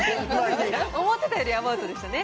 思ってたよりアバウトでしたね。